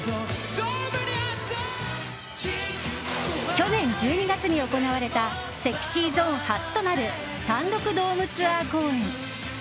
去年１２月に行われたＳｅｘｙＺｏｎｅ初となる単独ドームツアー公演。